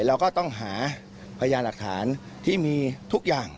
เราก็ต้องหาพยานหลักฐานที่มีทุกอย่าง